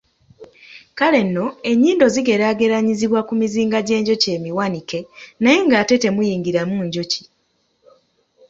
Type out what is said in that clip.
Kale nno ennyindo zigeraageranyizibwa ku mizinga gy’enjoki emiwanike naye ng’ate temuyingiramu njoki.